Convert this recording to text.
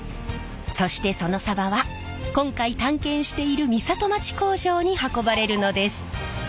そしてそのさばは今回探検している美里町工場に運ばれるのです。